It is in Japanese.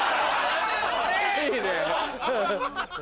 いいね。